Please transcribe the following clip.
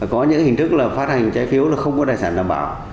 có những hình thức là phát hành trái phiếu là không có tài sản đảm bảo